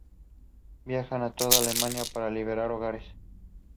How does Christ execute the office of a priest?